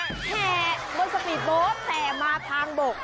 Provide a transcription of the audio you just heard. แห่บนสปีดโบ๊ทแต่มาทางบก